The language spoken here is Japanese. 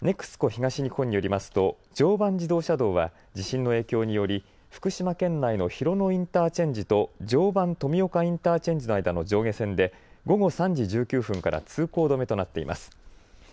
ＮＥＸＣＯ東日本によりますと常磐自動車道は地震の影響により福島県内の広野インターチェンジと常磐富岡インターチェンジの間の上下線で午後３時１９分から通行止めとなっています。